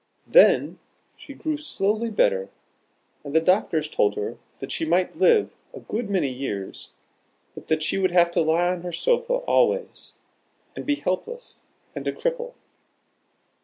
Then she grew slowly better, and the doctors told her that she might live a good many years, but that she would have to lie on her sofa always, and be helpless, and a cripple.